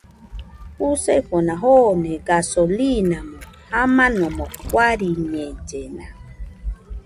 Jusefona joone gasolimo jamanomo guariñellena